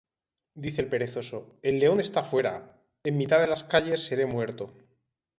Dice el perezoso: El león está fuera; En mitad de las calles seré muerto.